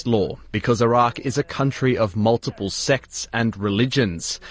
karena irak adalah negara berbagai sektor dan agama